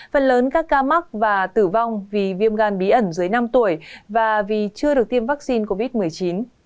phần lớn các ca mắc và tử vong vì viêm gan bí ẩn dưới năm tuổi và vì chưa được tiêm vaccine covid một mươi chín